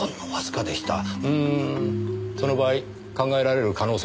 うーんその場合考えられる可能性ですが。